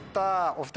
あ！